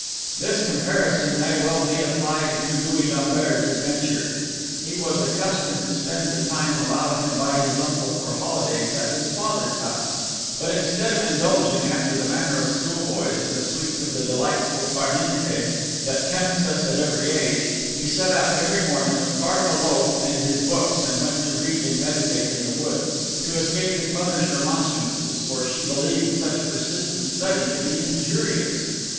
This comparison may well be applied to Louis Lambert's adventure; he was accustomed to spend the time allowed him by his uncle for holidays at his father's house; but instead of indulging, after the manner of schoolboys, in the sweets of the delightful far niente that tempts us at every age, he set out every morning with part of a loaf and his books, and went to read and meditate in the woods, to escape his mother's remonstrances, for she believed such persistent study to be injurious.